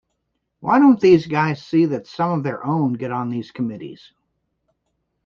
Why don't these guys see that some of their own get on these committees?